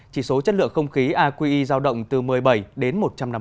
chỉ số chất lượng không khí aqi giao động từ một mươi bảy đến một trăm năm mươi